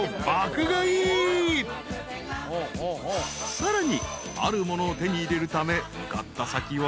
［さらにあるものを手に入れるため向かった先は］